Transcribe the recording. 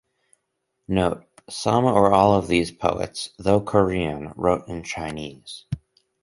Note: Some or all of these poets, though Korean, wrote in Chinese.